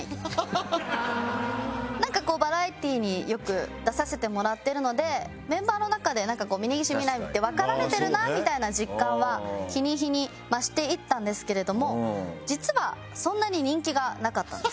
なんかこうバラエティによく出させてもらってるのでメンバーの中で峯岸みなみってわかられてるなみたいな実感は日に日に増していったんですけれども実はそんなに人気がなかったんです。